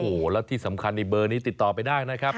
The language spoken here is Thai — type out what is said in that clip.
โอ้โหแล้วที่สำคัญในเบอร์นี้ติดต่อไปได้นะครับ